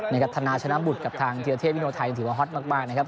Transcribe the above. ธนาชนะบุตรกับทางธีรเทพวิโนไทยยังถือว่าฮอตมากนะครับ